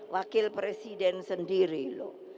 wakil presiden sendiri loh